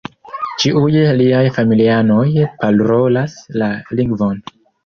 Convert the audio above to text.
Ĉiuj liaj familianoj parolas la lingvon.